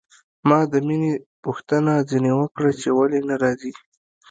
ما د مينې پوښتنه ځنې وکړه چې ولې نه راځي.